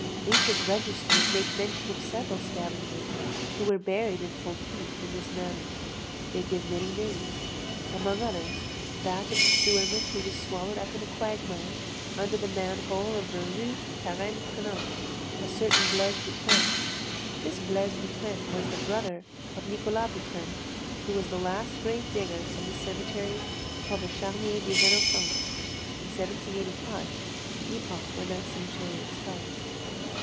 Ancient registers make mention of several scavengers who were buried in fontis in this manner. They give many names; among others, that of the sewerman who was swallowed up in a quagmire under the man hole of the Rue Carême Prenant, a certain Blaise Poutrain; this Blaise Poutrain was the brother of Nicholas Poutrain, who was the last grave digger of the cemetery called the Charnier des Innocents, in 1785, the epoch when that cemetery expired.